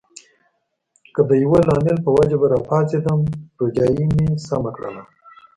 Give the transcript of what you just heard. که د یوه لامل په وجه به راپاڅېدم، روژایې مې سمه کړله.